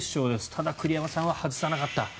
ただ、栗山さんは外さなかった。